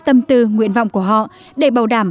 tâm tư nguyện vọng của họ để bảo đảm